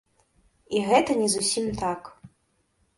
І гэта не зусім так.